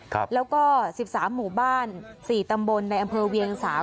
ครับแล้วก็สิบสามหมู่บ้านสี่ตำบลในอำเภอเวียงสาม